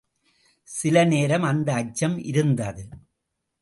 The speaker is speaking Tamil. சில நேரம் அந்த அச்சம் இருந்தது.